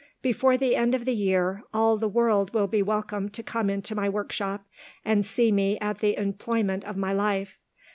Before the end of the year, all the world will be welcome to come into my workshop, and see me at the employment of my life.